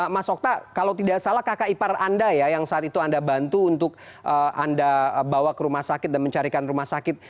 mas okta kalau tidak salah kakak ipar anda ya yang saat itu anda bantu untuk anda bawa ke rumah sakit dan mencarikan rumah sakit